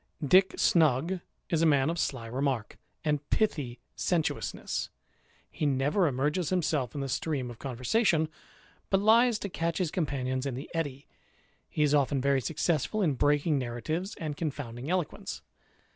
Dick Snug is a man of sly remark and pithy sententious ness : he never immerges himself in the stream of conversa tion, but lies to catch his companions in the eddy : he Is oAen very successful in breaking narratives and confounding THE IDLER, 325 eloquence.